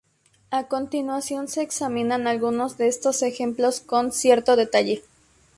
A continuación se examinan algunos de estos ejemplos con cierto detalle.